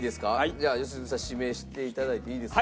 じゃあ良純さん指名して頂いていいですか？